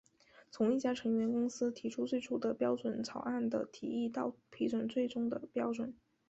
从一家成员公司提出最初的标准草案的提案到批准最终的标准。